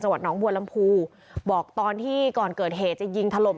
วัดหนองบัวลำพูบอกตอนที่ก่อนเกิดเหตุจะยิงถล่ม